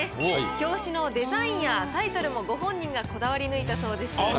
表紙のデザインやタイトルもご本人がこだわり抜いたそうです。